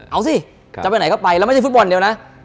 เอาสิจะไปไหนก็ไปแล้วไม่ใช่ฟุตบอลเดียวนะ